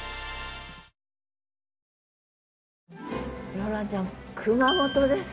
ローランちゃん熊本です。